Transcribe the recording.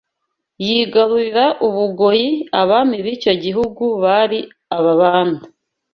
yigarurira u Bugoyi, Abami b’icyo gihugu bari Ababanda